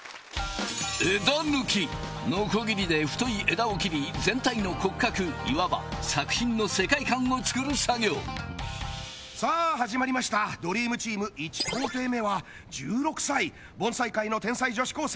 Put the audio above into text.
枝抜きノコギリで太い枝を切り全体の骨格いわば作品の世界観を作る作業さあ始まりましたドリームチーム１工程目は１６歳盆栽界の天才女子高生